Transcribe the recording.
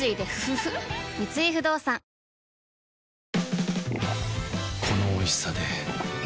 三井不動産このおいしさで